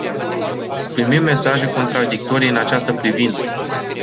Primim mesaje contradictorii în această privință.